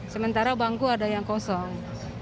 sementara bangku ada yang kosong